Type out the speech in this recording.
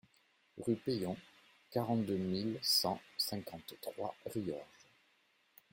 Rue Peillon, quarante-deux mille cent cinquante-trois Riorges